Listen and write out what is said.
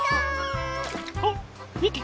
あっみて！